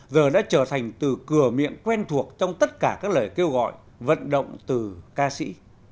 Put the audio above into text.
giờ đã trở thành từ cửa miệng quen thuộc trong tất cả các lời kêu gọi vận động từ ca sĩ